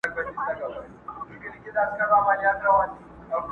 نه له زوره د زلمیو مځکه ګډه په اتڼ ده؛